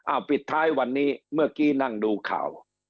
เอาปิดท้ายวันนี้เมื่อกี้นั่งดูข่าว